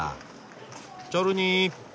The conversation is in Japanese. チョルニー！